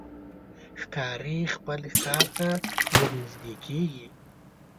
ښکاري خپل ښکار ته ورنژدې کېږي.